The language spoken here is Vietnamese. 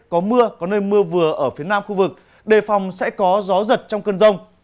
có mưa có nơi mưa vừa ở phía nam khu vực đề phòng sẽ có gió giật trong cơn rông